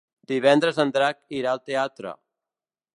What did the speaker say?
Divendres en Drac irà al teatre.